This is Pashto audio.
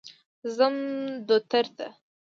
زه ځم دوتر ته.